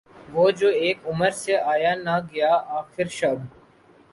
وہ جو اک عمر سے آیا نہ گیا آخر شب